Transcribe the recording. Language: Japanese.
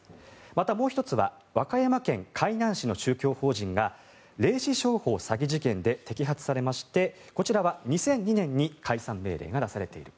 またもう１つは和歌山県海南市の宗教法人が霊視商法詐欺事件で摘発されましてこちらは２００２年に解散命令が出されている。